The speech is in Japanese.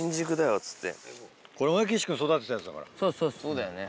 そうだよね。